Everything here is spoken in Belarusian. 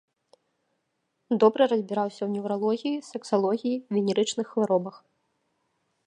Добра разбіраўся ў неўралогіі, сексалогіі, венерычных хваробах.